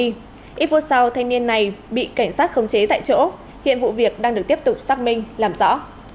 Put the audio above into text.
ít phút sau thanh niên này bị cảnh sát khống chế tại chỗ hiện vụ việc đang được tiếp tục xác minh làm rõ